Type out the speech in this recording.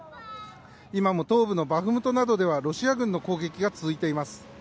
今も東部のバフムトなどではロシア軍の攻撃が続いています。